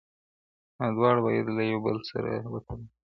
دا دواړه باید له یو بل سره وتړل سي.